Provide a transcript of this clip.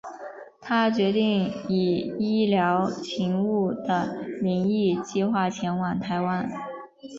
他决定以医疗勤务的名义计画前往台湾。